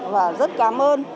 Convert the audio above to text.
và rất cảm ơn